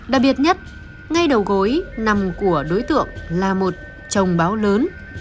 đặc biệt nhất ngay đầu gối nằm của đối tượng là một trồng báo lớn